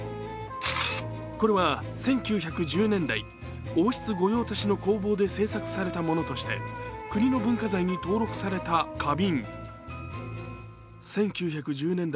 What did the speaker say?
これは１９１０年代、王室御用達の工房で製作されたものとして国の文化財に登録された花瓶。